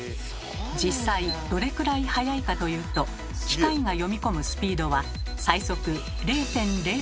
実際どれくらい速いかというと機械が読み込むスピードは最速０．０３秒！